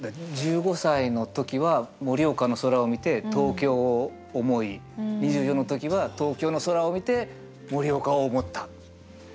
１５歳の時は盛岡の空を見て東京を思い２４の時は東京の空を見て盛岡を思った。